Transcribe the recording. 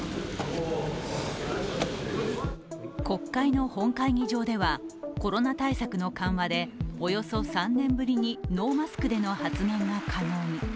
国会の本会議場ではコロナ対策の緩和でおよそ３年ぶりにノーマスクでの発言が可能に。